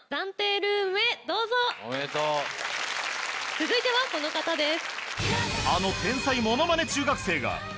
続いてはこの方です。